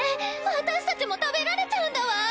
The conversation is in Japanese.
私たちも食べられちゃうんだわ。